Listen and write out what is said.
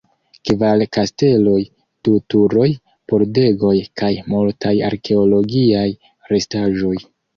Kvar kasteloj, du turoj, pordegoj kaj multaj arkeologiaj restaĵoj.